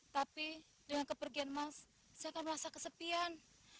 tapi dengan kepergian mas saya akan merasa kesepian